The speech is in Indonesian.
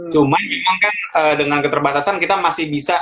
cuma memang kan dengan keterbatasan kita masih bisa